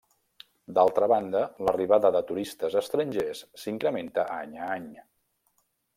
D'altra banda, l'arribada de turistes estrangers s'incrementa any a any.